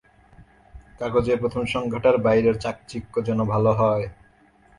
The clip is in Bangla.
কাগজের প্রথম সংখ্যাটার বাইরের চাকচিক্য যেন ভাল হয়।